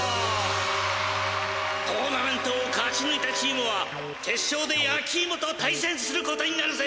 トーナメントを勝ちぬいたチームは決勝でヤキーモとたいせんすることになるぜ。